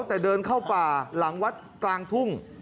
แต่เดินเข้าป่าหลังวัดกลางทุ่ง